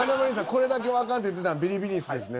「これだけはあかん」って言ってたんビリビリイスですね。